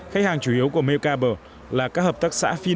khách hàng chủ yếu của mekabur là các hợp tác xã phi năng